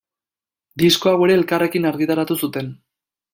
Disko hau ere Elkarrekin argitaratu zuten.